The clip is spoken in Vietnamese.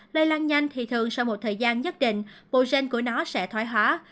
lây lan nhanh thì thường sau một thời gian nhất định bộ gen của nó sẽ thoải hóa